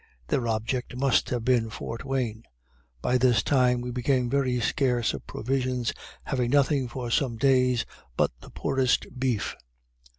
Their object must have been Fort Wayne. By this time we became very scarce of provisions, having nothing for some days but the poorest beef.